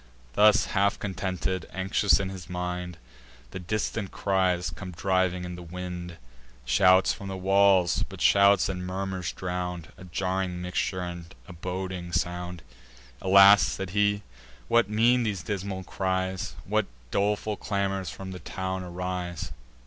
Thus half contented, anxious in his mind, The distant cries come driving in the wind, Shouts from the walls, but shouts in murmurs drown'd; A jarring mixture, and a boding sound. "Alas!" said he, "what mean these dismal cries? What doleful clamours from the town arise?"